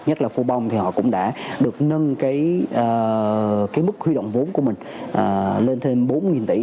nhất là phu bông thì họ cũng đã được nâng cái mức huy động vốn của mình lên thêm bốn tỷ